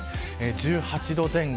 １８度前後。